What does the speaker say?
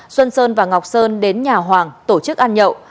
xuân sơn và ngọc sơn đến nhà hoàng tổ chức ăn nhậu